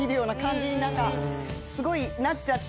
すごいなっちゃって。